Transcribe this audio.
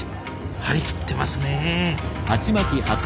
張り切ってますね！